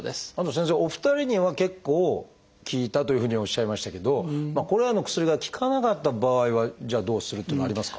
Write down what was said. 先生お二人には結構効いたというふうにおっしゃいましたけどこれらの薬が効かなかった場合はじゃあどうするというのはありますか？